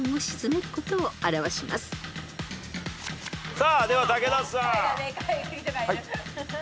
さあでは武田さん。